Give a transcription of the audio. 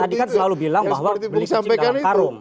tadi kan selalu bilang bahwa beli kecil dalam karung